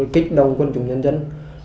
kích đồng quân chủng nhân dân